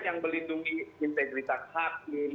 yang melindungi integritas hakim